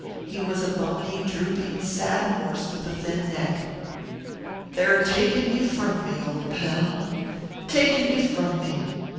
He was a bony, drooping, sad horse with a thin neck. "They're takin' ye frum me, old pal takin' ye frum me.